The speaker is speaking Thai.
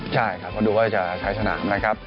ใช่ก็ดูว่าใช้สนามครับ